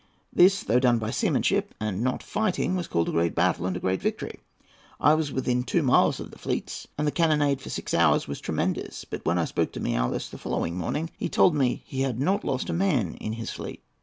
This, though done by seamanship, and not fighting, was called a great battle and a great victory. I was within two miles of the fleets, and the cannonade for six hours was tremendous; but when I spoke to Miaoulis the following morning he told me he had not lost a man in his fleet."